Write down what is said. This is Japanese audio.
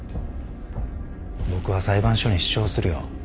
僕は裁判所に主張するよ。